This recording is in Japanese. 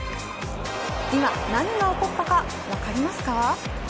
今、何が起こったか分かりますか。